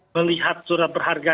melihat sudah berharga